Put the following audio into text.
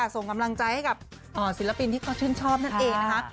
ส่งกำลังใจให้กับศิลปินที่เขาชื่นชอบนั่นเองนะคะ